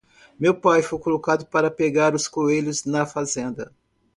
Meu pai foi colocado para pegar os coelhos na fazenda.